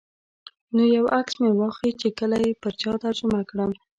نو یو عکس مې واخیست چې کله یې پر چا ترجمه کړم.